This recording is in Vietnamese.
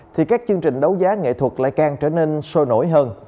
thì các chương trình đấu giá nghệ thuật lại càng trở nên sôi nổi hơn